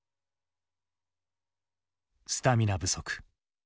「スタミナ不足」。